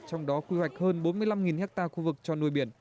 trong đó quy hoạch hơn bốn mươi năm ha khu vực cho nuôi biển